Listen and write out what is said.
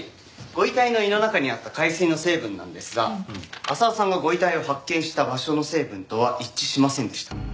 ご遺体の胃の中にあった海水の成分なんですが浅輪さんがご遺体を発見した場所の成分とは一致しませんでした。